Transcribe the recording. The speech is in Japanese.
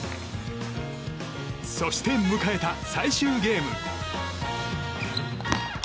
そして迎えた最終ゲーム。